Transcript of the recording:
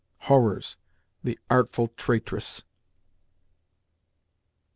Horrors! The artful "traitress!"